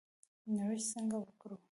نوښت څنګه وکړو؟